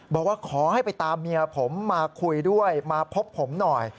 บอกว่าขอให้ไปตามเมียผมมาคุยด้วยมาพบผมหน่อย